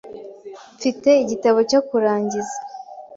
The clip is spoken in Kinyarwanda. Mfite igitabo cyo kurangiza .